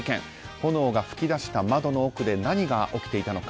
炎が噴き出した窓の奥で何が起きていたのか。